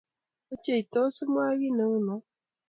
Ochei! Tos imwa kiy neuno